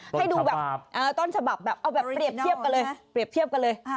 ให้ดูแบบต้นฉบับเอาแบบเปรียบเทียบกันเลย